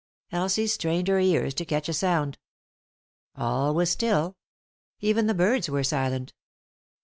Elsie strained her ears to catch a sound. All was still. Even the birds were silent.